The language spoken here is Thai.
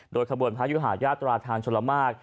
โดยขบวนพระยุหาญาตราทางชลมาก